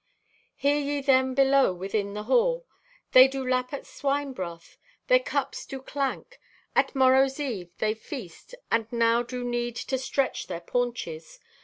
"Hear ye them below within the hall? They do lap at swine broth. Their cups do clank. At morrow's eve they feast and now do need to stretch their paunches.